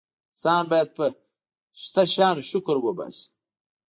انسان باید په شته شیانو شکر وباسي.